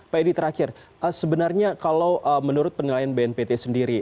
pak edi terakhir sebenarnya kalau menurut penilaian bnpt sendiri